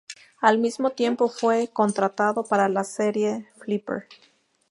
Al mismo tiempo fue contratado para la serie Flipper.